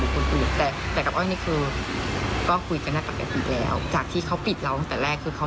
พ่อแล้วก็พยายามพีให้ของเรายังไว้ใจเรา